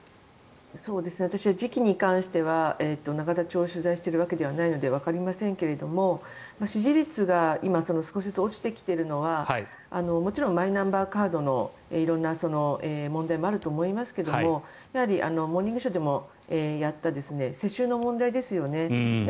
私は時期に関しては永田町を取材しているわけではないのでわかりませんが、支持率が今、少しずつ落ちてきているのはもちろんマイナンバーカードの色んな問題もあると思いますけれど「モーニングショー」でもやった世襲の問題ですよね。